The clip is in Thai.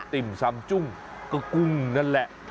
ติ่มซำจุ้งก็กุ้งนั่นแหละ